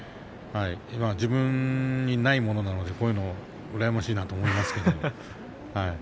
自分にないものなのでこういうのは羨ましいなと思います。